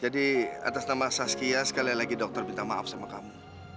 jadi atas nama saskia sekali lagi dokter minta maaf sama kamu